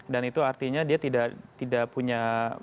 dan itu artinya dia tidak punya